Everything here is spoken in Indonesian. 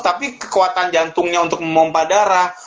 tapi kekuatan jantungnya untuk memompah darah